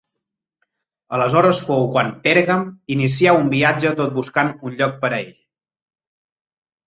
Aleshores fou quan Pèrgam inicià un viatge tot buscant un lloc per a ell.